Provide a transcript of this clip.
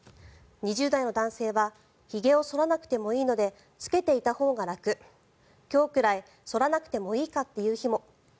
２０代の男性はひげを剃らなくてもいいので着けていたほうが楽今日くらい剃らなくてもいいかっていう日も。